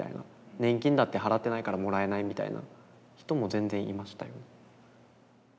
「年金だって払ってないからもらえない」みたいな人も全然いましたよ。